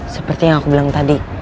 seperti yang aku bilang tadi